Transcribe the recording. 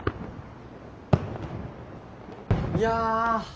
いや。